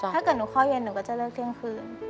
ถ้าเกิดหนูเข้าเย็นหนูก็จะเลิกเที่ยงคืน